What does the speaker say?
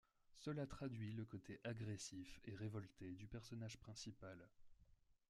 Cela traduit le côté agressif et révolté du personnage principal.